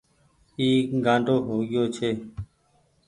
اي گآنڊو هو گيو ڇي ۔